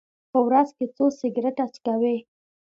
په ورځ کې څو سګرټه څکوئ؟